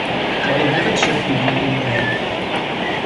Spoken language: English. I will have it shipped to you overnight.